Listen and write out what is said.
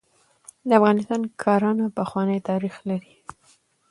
د افغانستان کرهڼه پخوانی تاریخ لري .